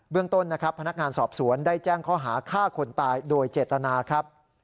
เบื้องต้นพนักงานสอบสวนได้แจ้งข้อหาฆ่าคนตายโดยเจตนา